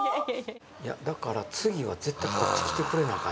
いやだから次は絶対こっち来てくれなあ